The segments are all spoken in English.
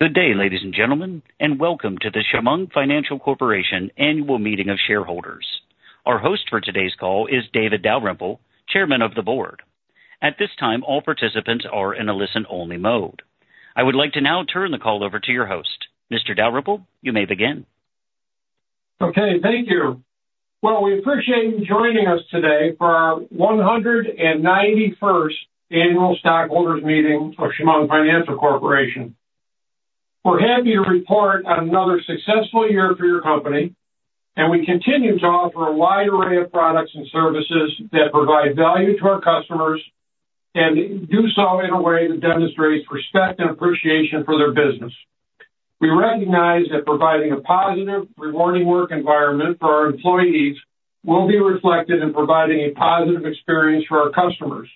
Good day, ladies and gentlemen, and welcome to the Chemung Financial Corporation Annual Meeting of Shareholders. Our host for today's call is David Dalrymple, Chairman of the Board. At this time, all participants are in a listen-only mode. I would like to now turn the call over to your host. Mr. Dalrymple, you may begin. Okay, thank you. Well, we appreciate you joining us today for our 191st annual stockholders meeting of Chemung Financial Corporation. We're happy to report on another successful year for your company, and we continue to offer a wide array of products and services that provide value to our customers and do so in a way that demonstrates respect and appreciation for their business. We recognize that providing a positive, rewarding work environment for our employees will be reflected in providing a positive experience for our customers.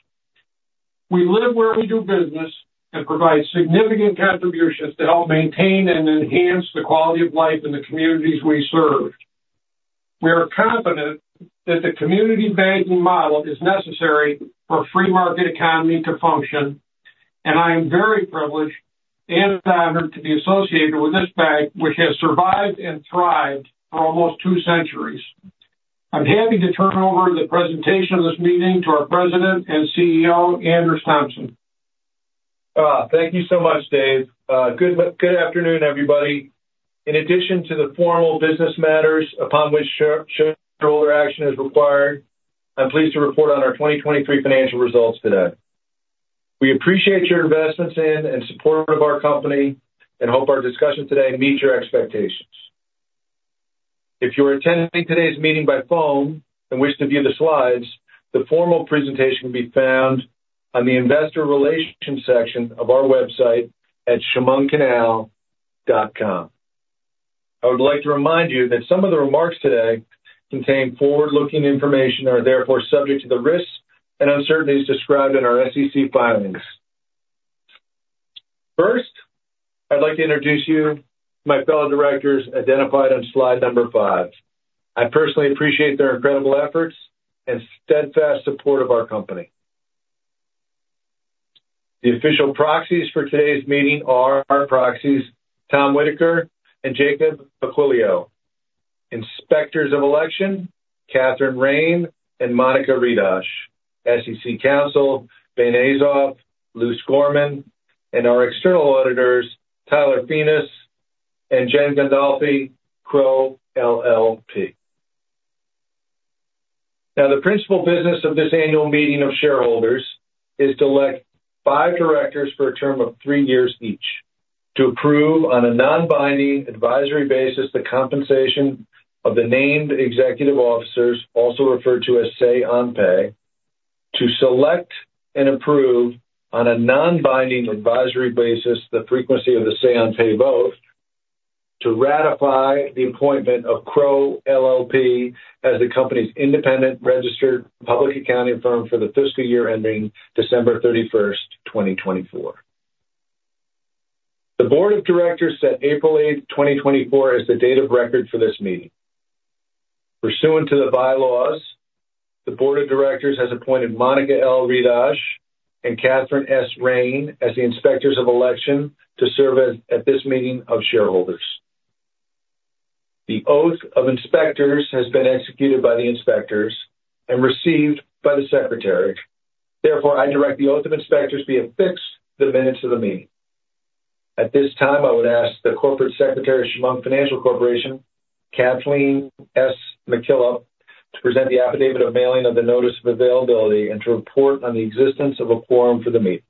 We live where we do business and provide significant contributions to help maintain and enhance the quality of life in the communities we serve. We are confident that the community banking model is necessary for a free market economy to function, and I am very privileged and honored to be associated with this bank, which has survived and thrived for almost two centuries. I'm happy to turn over the presentation of this meeting to our President and CEO, Anders Tomson. Thank you so much, Dave. Good afternoon, everybody. In addition to the formal business matters upon which shareholder action is required, I'm pleased to report on our 2023 financial results today. We appreciate your investments in and support of our company and hope our discussion today meets your expectations. If you're attending today's meeting by phone and wish to view the slides, the formal presentation can be found on the investor relations section of our website at chemungcanal.com. I would like to remind you that some of the remarks today contain forward-looking information and are therefore subject to the risks and uncertainties described in our SEC filings. First, I'd like to introduce you to my fellow directors, identified on slide number 5. I personally appreciate their incredible efforts and steadfast support of our company. The official proxies for today's meeting are our proxies, Tom Whitaker and Jacob Aquilio, inspectors of election, Catherine Raine and Monica Redosh, SEC counsel, Ben Azoff, Luse Gorman, and our external auditors, Tyler Fines and Jen Gandolfi, Crowe LLP. Now, the principal business of this annual meeting of shareholders is to elect five directors for a term of three years each, to approve on a non-binding advisory basis the compensation of the named executive officers, also referred to as Say-on-Pay, to select and approve on a non-binding advisory basis the frequency of the Say-on-Pay vote, to ratify the appointment of Crowe LLP as the company's independent registered public accounting firm for the fiscal year ending December thirty-first, 2024. The board of directors set April eighth, 2024, as the date of record for this meeting. Pursuant to the bylaws, the board of directors has appointed Monica L. Redosh and Catherine S. Raine as the inspectors of election to serve at this meeting of shareholders. The oath of inspectors has been executed by the inspectors and received by the secretary. Therefore, I direct the oath of inspectors be affixed to the minutes of the meeting. At this time, I would ask the corporate secretary of Chemung Financial Corporation, Kathleen S. McKillip, to present the affidavit of mailing of the notice of availability and to report on the existence of a quorum for the meeting.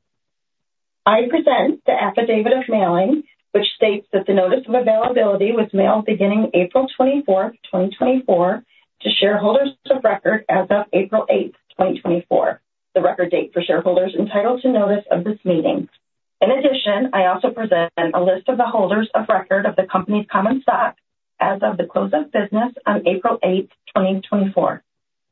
I present the affidavit of mailing, which states that the notice of availability was mailed beginning April 24, 2024, to shareholders of record as of April 8, 2024, the record date for shareholders entitled to notice of this meeting. In addition, I also present a list of the holders of record of the company's common stock as of the close of business on April 8, 2024.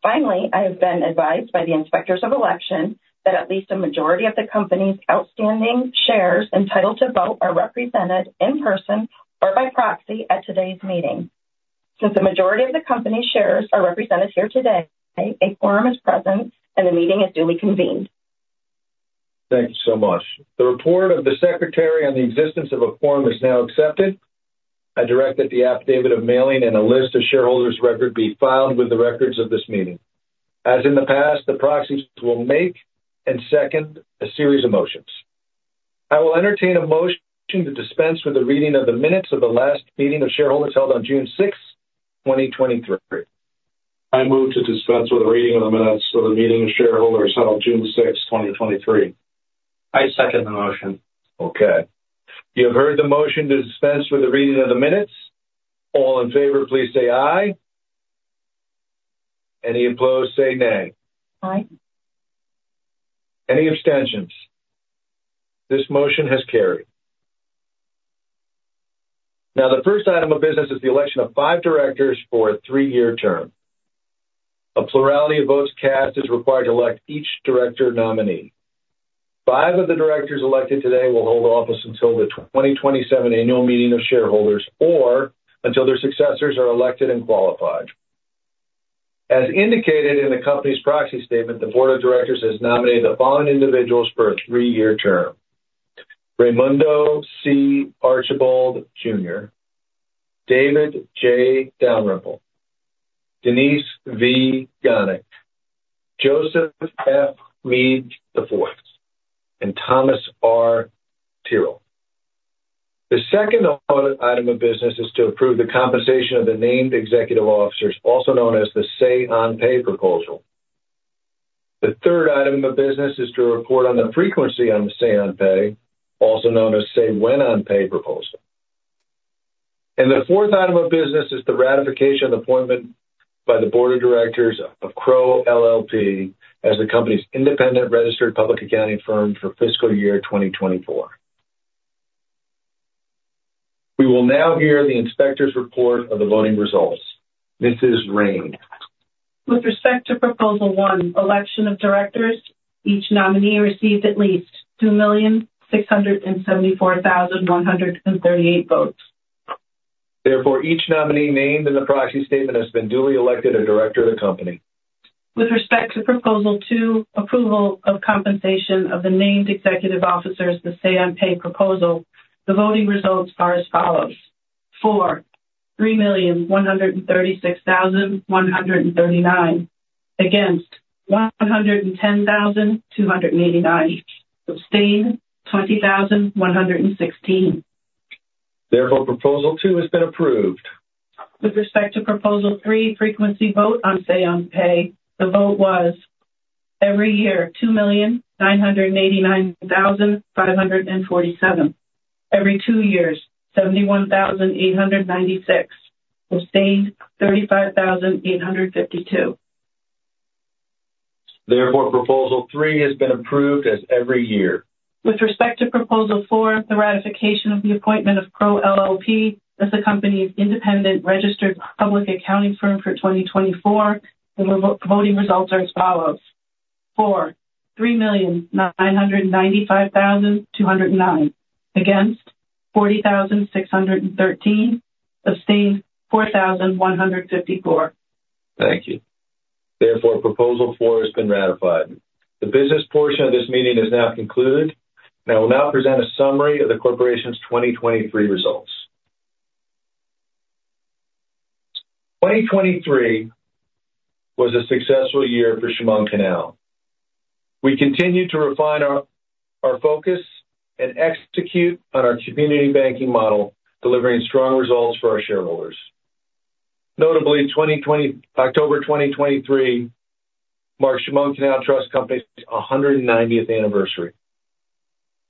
Finally, I have been advised by the inspectors of election that at least a majority of the company's outstanding shares entitled to vote are represented in person or by proxy at today's meeting. Since the majority of the company's shares are represented here today, a quorum is present and the meeting is duly convened. Thank you so much. The report of the secretary on the existence of a quorum is now accepted. I direct that the affidavit of mailing and a list of shareholders record be filed with the records of this meeting. As in the past, the proxies will make and second a series of motions. I will entertain a motion to dispense with the reading of the minutes of the last meeting of shareholders held on June 6, 2023. I move to dispense with the reading of the minutes of the meeting of shareholders held on June 6, 2023. I second the motion. Okay. You have heard the motion to dispense with the reading of the minutes. All in favor, please say aye. Any opposed, say nay. Aye. Any abstentions? This motion has carried. Now, the first item of business is the election of five directors for a three-year term. A plurality of votes cast is required to elect each director nominee. Five of the directors elected today will hold office until the 2027 annual meeting of shareholders, or until their successors are elected and qualified. As indicated in the company's proxy statement, the board of directors has nominated the following individuals for a three-year term: Raimundo C. Archibold Jr., David J. Dalrymple, Denise V. Gonick, Joseph F. Meade IV, and Thomas R. Tyrrell. The second item of business is to approve the compensation of the named executive officers, also known as the Say-on-Pay proposal. The third item of business is to report on the frequency on the Say-on-Pay, also known as Say-When-on-Pay proposal. The fourth item of business is the ratification of the appointment by the board of directors of Crowe LLP as the company's independent registered public accounting firm for fiscal year 2024. We will now hear the inspector's report of the voting results. Mrs. Raine? With respect to proposal one, election of directors, each nominee received at least 2,674,138 votes. Therefore, each nominee named in the proxy statement has been duly elected a director of the company. With respect to proposal two, approval of compensation of the named executive officers, the Say-on-Pay proposal, the voting results are as follows: For, 3,136,139. Against, 110,289. Abstained, 20,116. Therefore, proposal two has been approved. With respect to proposal three, frequency vote on Say-on-Pay, the vote was every year, 2,989,547. Every two years, 71,896. Abstained, 35,852. Therefore, Proposal 3 has been approved as every year. With respect to proposal four, the ratification of the appointment of Crowe LLP as the company's independent registered public accounting firm for 2024, the voting results are as follows: for, 3,995,209; against, 40,613; abstained, 4,154. Thank you. Therefore, proposal 4 has been ratified. The business portion of this meeting is now concluded, and I will now present a summary of the corporation's 2023 results. 2023 was a successful year for Chemung Canal. We continued to refine our focus and execute on our community banking model, delivering strong results for our shareholders. Notably, October 2023 marked Chemung Canal Trust Company's 190th anniversary.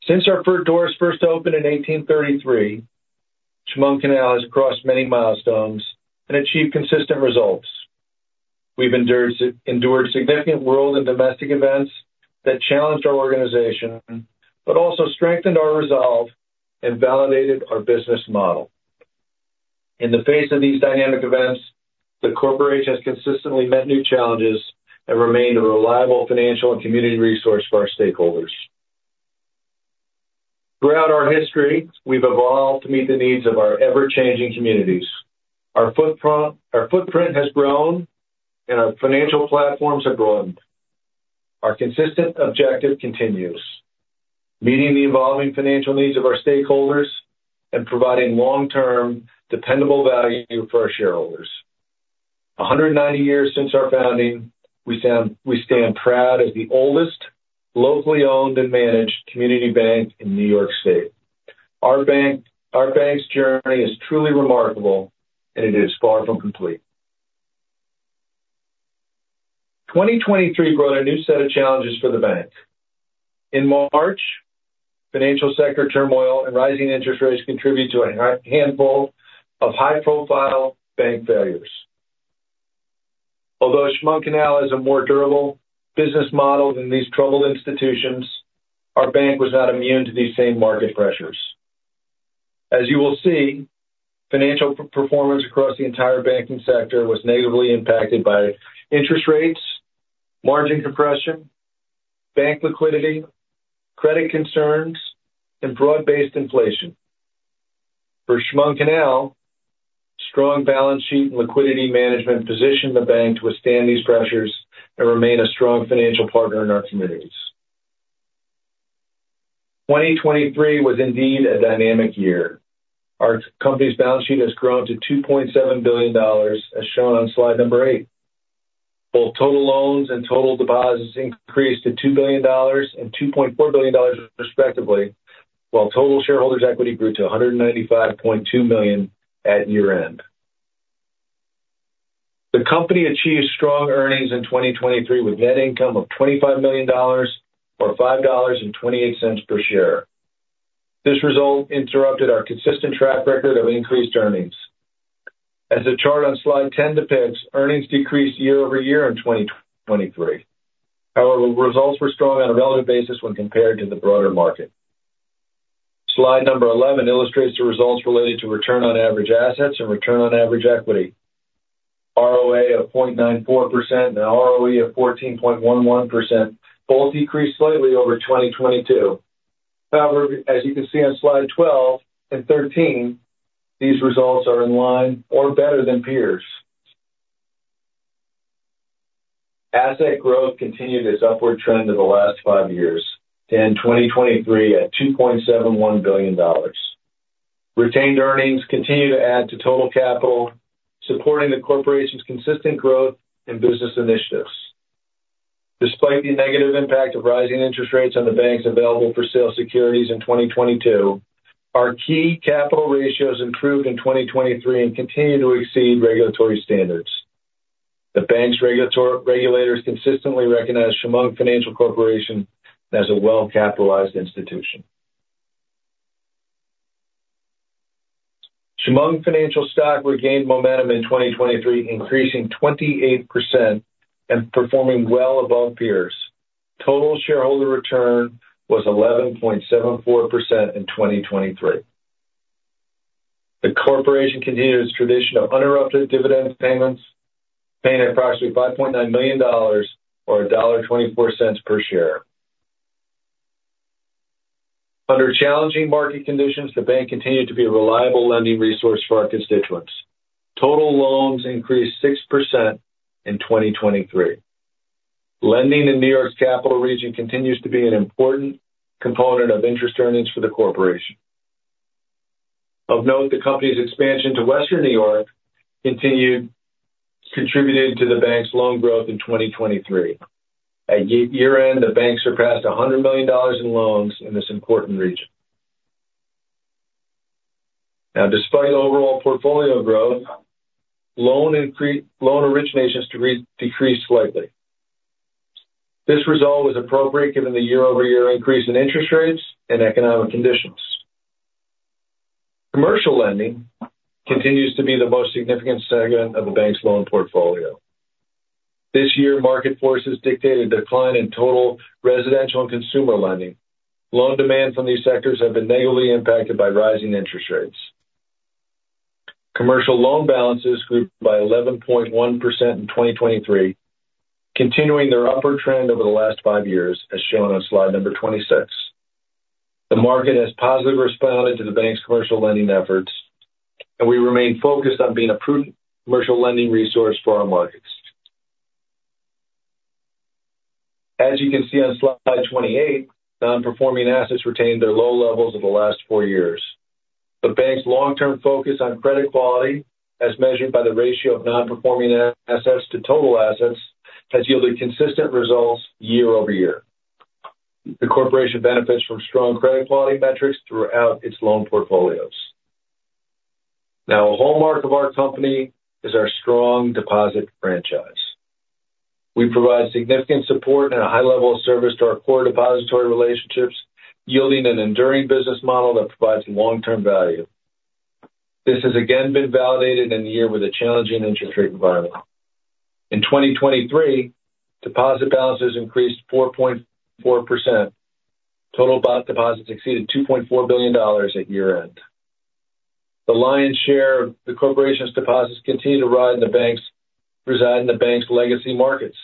Since our doors first opened in 1833, Chemung Canal has crossed many milestones and achieved consistent results. We've endured significant world and domestic events that challenged our organization, but also strengthened our resolve and validated our business model. In the face of these dynamic events, the corporation has consistently met new challenges and remained a reliable financial and community resource for our stakeholders. Throughout our history, we've evolved to meet the needs of our ever-changing communities. Our footprint has grown and our financial platforms have grown. Our consistent objective continues, meeting the evolving financial needs of our stakeholders and providing long-term, dependable value for our shareholders. 190 years since our founding, we stand proud as the oldest locally owned and managed community bank in New York State. Our bank's journey is truly remarkable, and it is far from complete. 2023 brought a new set of challenges for the bank. In March, financial sector turmoil and rising interest rates contributed to a handful of high-profile bank failures. Although Chemung Canal is a more durable business model than these troubled institutions, our bank was not immune to these same market pressures. As you will see, financial performance across the entire banking sector was negatively impacted by interest rates, margin compression, bank liquidity, credit concerns, and broad-based inflation. For Chemung Canal, strong balance sheet and liquidity management positioned the bank to withstand these pressures and remain a strong financial partner in our communities. 2023 was indeed a dynamic year. Our company's balance sheet has grown to $2.7 billion, as shown on slide 8. Both total loans and total deposits increased to $2 billion and $2.4 billion, respectively, while total shareholders' equity grew to $195.2 million at year-end. The company achieved strong earnings in 2023, with net income of $25 million or $5.28 per share. This result interrupted our consistent track record of increased earnings. As the chart on slide 10 depicts, earnings decreased year-over-year in 2023. However, results were strong on a relative basis when compared to the broader market. Slide 11 illustrates the results related to return on average assets and return on average equity. ROA of 0.94% and ROE of 14.11% both decreased slightly over 2022. However, as you can see on slides 12 and 13, these results are in line or better than peers. Asset growth continued its upward trend over the last five years, to end 2023 at $2.71 billion. Retained earnings continue to add to total capital, supporting the corporation's consistent growth and business initiatives. Despite the negative impact of rising interest rates on the bank's available-for-sale securities in 2022, our key capital ratios improved in 2023 and continue to exceed regulatory standards. The bank's regulators consistently recognize Chemung Financial Corporation as a well-capitalized institution. Chemung Financial stock regained momentum in 2023, increasing 28% and performing well above peers. Total shareholder return was 11.74% in 2023. The corporation continued its tradition of uninterrupted dividend payments, paying approximately $5.9 million or $1.24 per share. Under challenging market conditions, the bank continued to be a reliable lending resource for our constituents. Total loans increased 6% in 2023. Lending in New York's Capital Region continues to be an important component of interest earnings for the corporation. Of note, the company's expansion to Western New York continued to contribute to the bank's loan growth in 2023. At year-end, the bank surpassed $100 million in loans in this important region. Now, despite overall portfolio growth, loan originations decreased slightly. This result was appropriate given the year-over-year increase in interest rates and economic conditions. Commercial lending continues to be the most significant segment of the bank's loan portfolio. This year, market forces dictate a decline in total residential and consumer lending. Loan demand from these sectors have been negatively impacted by rising interest rates. Commercial loan balances grew by 11.1% in 2023, continuing their upward trend over the last five years, as shown on slide number 26. The market has positively responded to the bank's commercial lending efforts, and we remain focused on being a prudent commercial lending resource for our markets. As you can see on slide 28, non-performing assets retained their low levels over the last 4 years. The bank's long-term focus on credit quality, as measured by the ratio of non-performing assets to total assets, has yielded consistent results year-over-year. The corporation benefits from strong credit quality metrics throughout its loan portfolios. Now, a hallmark of our company is our strong deposit franchise. We provide significant support and a high level of service to our core depository relationships, yielding an enduring business model that provides long-term value. This has again been validated in a year with a challenging interest rate environment. In 2023, deposit balances increased 4.4%. Total bank deposits exceeded $2.4 billion at year-end. The lion's share of the corporation's deposits continue to reside in the bank's legacy markets.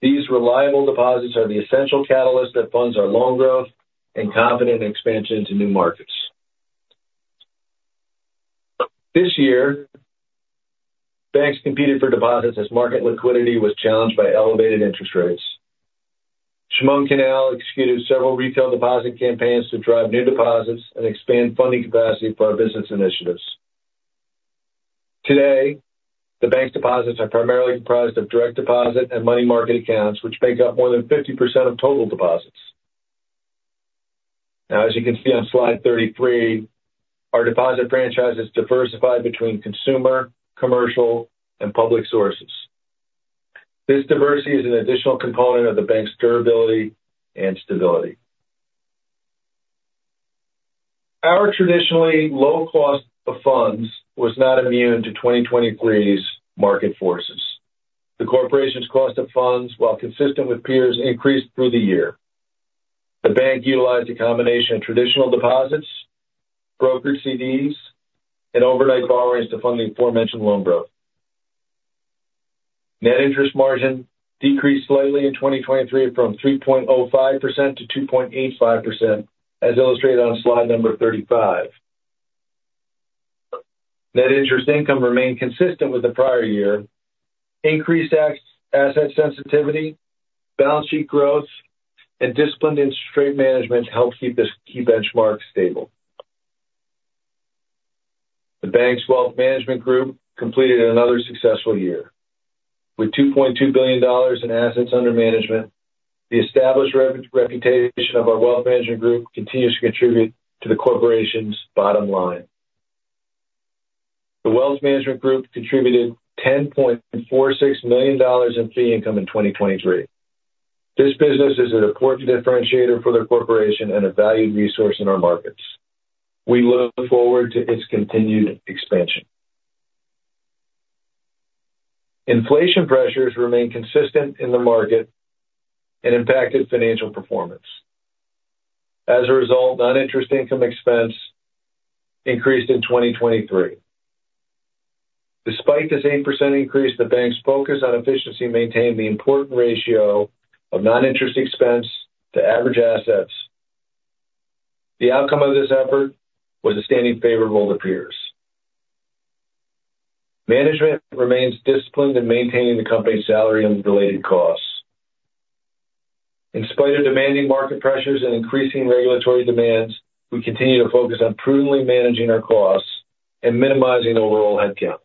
These reliable deposits are the essential catalyst that funds our loan growth and confident expansion into new markets. This year, banks competed for deposits as market liquidity was challenged by elevated interest rates. Chemung Canal executed several retail deposit campaigns to drive new deposits and expand funding capacity for our business initiatives. Today, the bank's deposits are primarily comprised of direct deposit and money market accounts, which make up more than 50% of total deposits. Now, as you can see on Slide 33, our deposit franchise is diversified between consumer, commercial, and public sources. This diversity is an additional component of the bank's durability and stability. Our traditionally low cost of funds was not immune to 2023's market forces. The corporation's cost of funds, while consistent with peers, increased through the year. The bank utilized a combination of traditional deposits, brokered CDs, and overnight borrowings to fund the aforementioned loan growth. Net interest margin decreased slightly in 2023 from 3.05% to 2.85%, as illustrated on slide 35. Net interest income remained consistent with the prior year. Increased asset sensitivity, balance sheet growth, and disciplined interest rate management helped keep this key benchmark stable. The bank's Wealth Management Group completed another successful year. With $2.2 billion in assets under management, the established reputation of our Wealth Management Group continues to contribute to the corporation's bottom line. The Wealth Management Group contributed $10.46 million in fee income in 2023. This business is an important differentiator for the corporation and a valued resource in our markets. We look forward to its continued expansion. Inflation pressures remain consistent in the market and impacted financial performance. As a result, non-interest income expense increased in 2023. Despite this 8% increase, the bank's focus on efficiency maintained the important ratio of non-interest expense to average assets. The outcome of this effort was a standing favorable to peers. Management remains disciplined in maintaining the company's salary and related costs. In spite of demanding market pressures and increasing regulatory demands, we continue to focus on prudently managing our costs and minimizing overall headcount.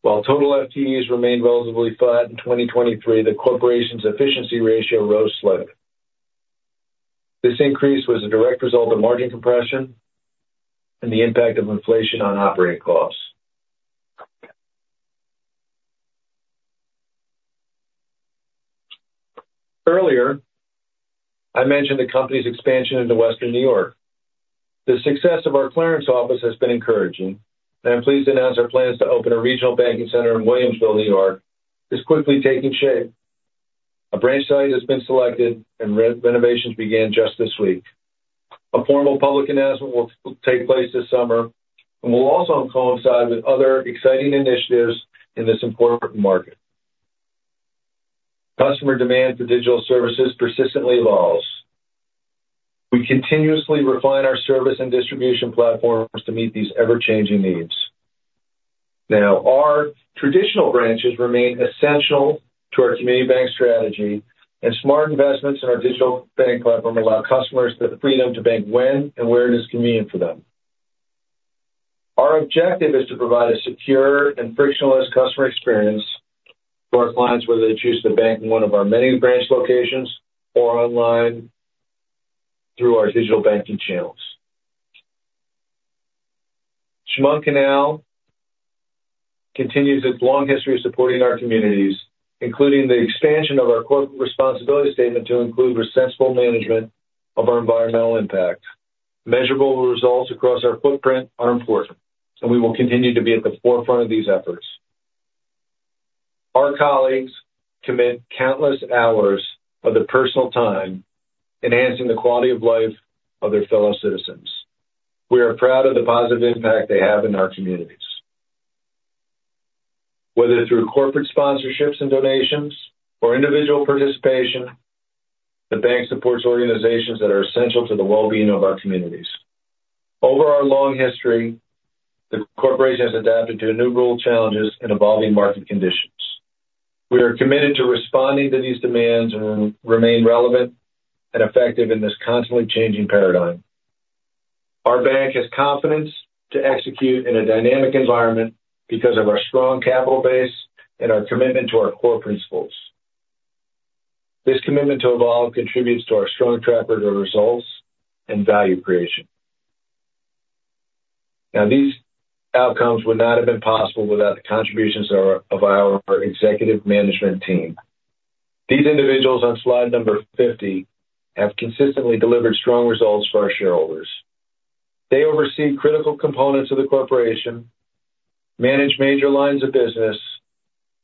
While total FTEs remained relatively flat in 2023, the corporation's efficiency ratio rose slightly. This increase was a direct result of margin compression and the impact of inflation on operating costs. Earlier, I mentioned the company's expansion into Western New York. The success of our Clarence office has been encouraging, and I'm pleased to announce our plans to open a regional banking center in Williamsville, New York, is quickly taking shape. A branch site has been selected, and renovations began just this week. A formal public announcement will take place this summer and will also coincide with other exciting initiatives in this important market. Customer demand for digital services persistently evolves. We continuously refine our service and distribution platforms to meet these ever-changing needs. Now, our traditional branches remain essential to our community bank strategy, and smart investments in our digital bank platform allow customers the freedom to bank when and where it is convenient for them. Our objective is to provide a secure and frictionless customer experience for our clients, whether they choose to bank in one of our many branch locations or online through our digital banking channels. Chemung Canal continues its long history of supporting our communities, including the expansion of our corporate responsibility statement, to include responsible management of our environmental impact. Measurable results across our footprint are important, and we will continue to be at the forefront of these efforts. Our colleagues commit countless hours of their personal time, enhancing the quality of life of their fellow citizens. We are proud of the positive impact they have in our communities. Whether through corporate sponsorships and donations or individual participation, the bank supports organizations that are essential to the well-being of our communities. Over our long history, the corporation has adapted to new rule challenges and evolving market conditions. We are committed to responding to these demands and remain relevant and effective in this constantly changing paradigm. Our bank has confidence to execute in a dynamic environment because of our strong capital base and our commitment to our core principles. This commitment to evolve contributes to our strong track record of results and value creation. Now, these outcomes would not have been possible without the contributions of our executive management team. These individuals on slide number 50 have consistently delivered strong results for our shareholders. They oversee critical components of the corporation, manage major lines of business,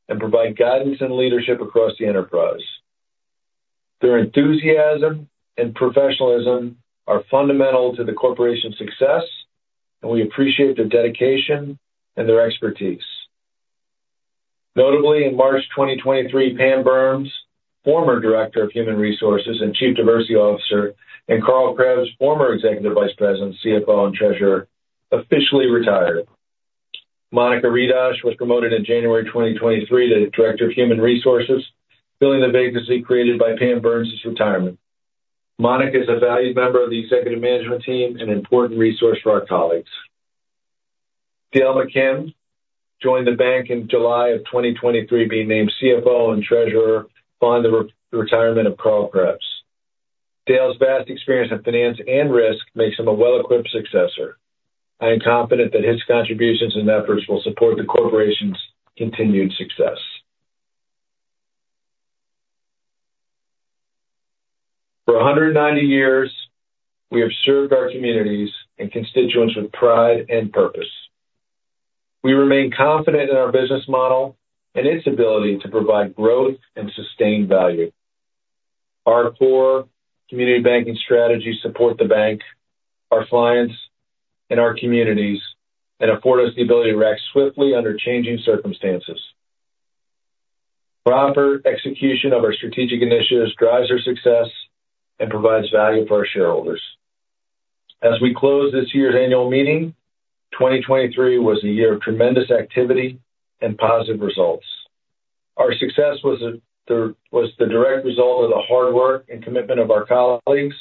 and provide guidance and leadership across the enterprise. Their enthusiasm and professionalism are fundamental to the corporation's success, and we appreciate their dedication and their expertise. Notably, in March 2023, Pam Burns, former Director of Human Resources and Chief Diversity Officer, and Karl Krebs, former Executive Vice President, CFO, and Treasurer, officially retired. Monica Redosh was promoted in January 2023 to Director of Human Resources, filling the vacancy created by Pam Burns's retirement. Monica is a valued member of the executive management team and important resource for our colleagues. Dale McKim joined the bank in July 2023, being named CFO and Treasurer upon the re-retirement of Karl Krebs. Dale's vast experience in finance and risk makes him a well-equipped successor. I am confident that his contributions and efforts will support the corporation's continued success. For 190 years, we have served our communities and constituents with pride and purpose. We remain confident in our business model and its ability to provide growth and sustained value. Our core community banking strategies support the bank, our clients, and our communities, and afford us the ability to act swiftly under changing circumstances. Proper execution of our strategic initiatives drives our success and provides value for our shareholders. As we close this year's annual meeting, 2023 was a year of tremendous activity and positive results. Our success was the direct result of the hard work and commitment of our colleagues,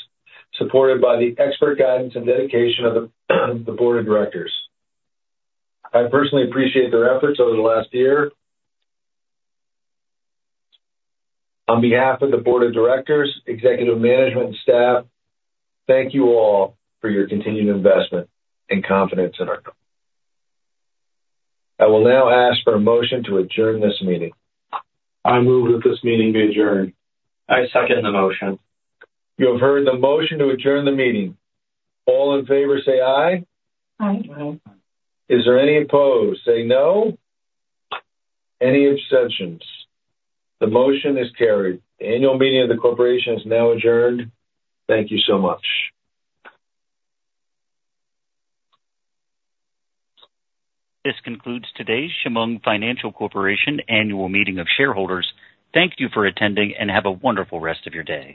supported by the expert guidance and dedication of the board of directors. I personally appreciate their efforts over the last year. On behalf of the board of directors, executive management, and staff, thank you all for your continued investment and confidence in our company. I will now ask for a motion to adjourn this meeting. I move that this meeting be adjourned. I second the motion. You have heard the motion to adjourn the meeting. All in favor, say aye. Aye. Aye. Is there any opposed? Say no. Any abstentions? The motion is carried. The annual meeting of the corporation is now adjourned. Thank you so much. This concludes today's Chemung Financial Corporation Annual Meeting of Shareholders. Thank you for attending, and have a wonderful rest of your day.